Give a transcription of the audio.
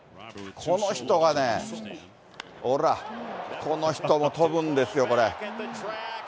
この人がね、ほら、この人も飛ぶんですよ、これ。